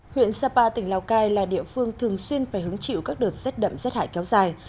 huyện sapa tỉnh lào cai là địa phương thường xuyên phải hứng chịu các đợt rét đậm rét hại kéo dài